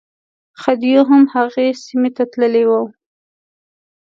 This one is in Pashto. خدیو هم هغې سیمې ته تللی و.